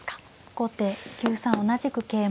後手９三同じく桂馬。